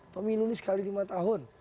pemilu ini sekali lima tahun